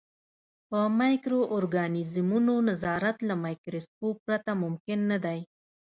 په مایکرو ارګانیزمونو نظارت له مایکروسکوپ پرته ممکن نه دی.